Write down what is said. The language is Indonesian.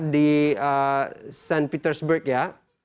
di kota sankt petersburg ya